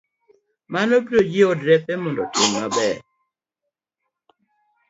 Mano biro jiwo derepe mondo otim maber e